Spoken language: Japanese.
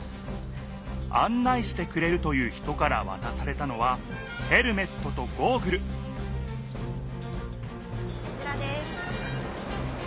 案内してくれるという人からわたされたのはヘルメットとゴーグルこちらです。